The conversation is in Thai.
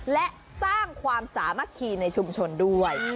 และสร้างความสามัคคีในชุมชนด้วย